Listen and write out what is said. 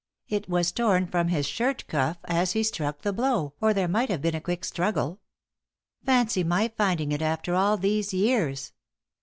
"It was torn from his shirt cuff as he struck the blow, or there might have been a quick struggle. Fancying my finding it after all these years!